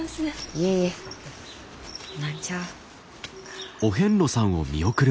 いえいえ。何ちゃあ。